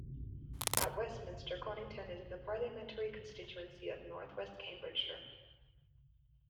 At Westminster Conington is in the parliamentary constituency of North West Cambridgeshire.